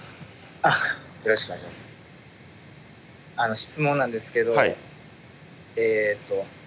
質問なんですけどえっと